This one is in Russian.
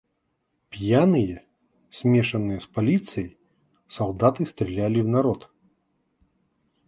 Пьяные, смешанные с полицией, солдаты стреляли в народ.